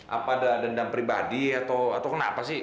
apa ada dendam pribadi atau kenapa sih